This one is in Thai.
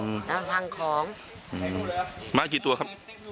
อืมต้องฟังของอืมมากี่ตัวครับ